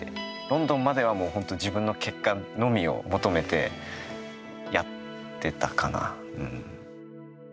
ロンドンまでは、もうほんと自分の結果のみを求めてやってたかな。